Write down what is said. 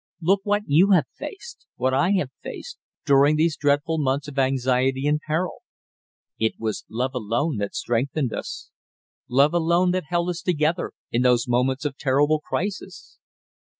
Look what you have faced, what I have faced, during these dreadful months of anxiety and peril. It was love alone that strengthened us love alone that held us together in those moments of terrible crises.